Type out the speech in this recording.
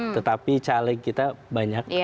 tetapi caleg kita banyak